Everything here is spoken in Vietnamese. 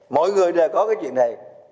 mọi người đều có cái chuyện này